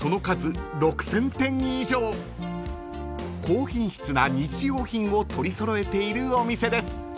［高品質な日用品を取り揃えているお店です］